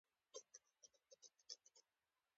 ټولو نښتو دفاعي ارزښت درلود او یرغل یې نه کاوه.